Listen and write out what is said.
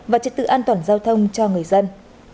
và trật tự an toàn giao thông cho người dân